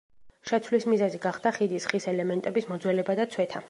შეცვლის მიზეზი გახდა ხიდის ხის ელემენტების მოძველება და ცვეთა.